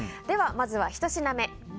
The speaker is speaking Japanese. では、まずは１品目。